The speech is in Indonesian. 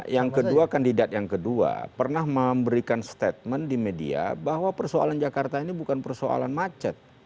yang kedua kandidat yang kedua pernah memberikan statement di media bahwa persoalan jakarta ini bukan persoalan macet